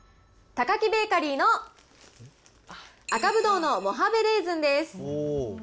タカキベーカリーの赤葡萄のモハベレーズンです。